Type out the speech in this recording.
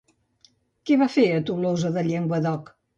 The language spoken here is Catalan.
Què va fer a Tolosa de Llenguadoc?